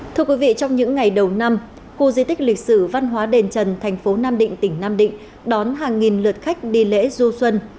thưa quý vị trong những ngày đầu năm khu di tích lịch sử văn hóa đền trần thành phố nam định tỉnh nam định đón hàng nghìn lượt khách đi lễ du xuân